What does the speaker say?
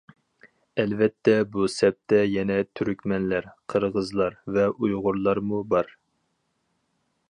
ئەلۋەتتە بۇ سەپتە يەنە تۈركمەنلەر، قىرغىزلار ۋە ئۇيغۇرلارمۇ بار.